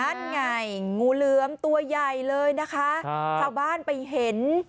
นั่นไงงูเหลือมตัวใหญ่เลยนะคะชาวบ้านไปเห็น